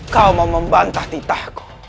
kau mau membantah titahku